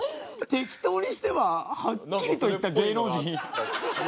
適当にしてははっきりと言った芸能人。